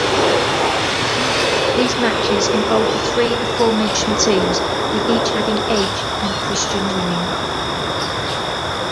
These matches involved the three aforementioned teams, with each having Edge and Christian winning.